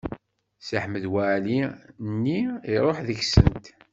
Si Ḥmed Waɛli-nni iruḥ deg-sent.